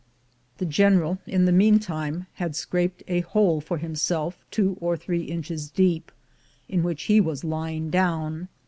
The General, in the meantime, had scraped a hole for himself two or three inches deep, in which he was lying down.